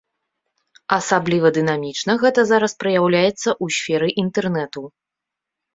Асабліва дынамічна гэта зараз праяўляецца ў сферы інтэрнэту.